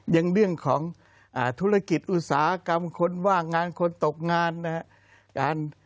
ยังเรื่องของธุรกิจอุตสาหกรรมคนว่างงานคนตกงาน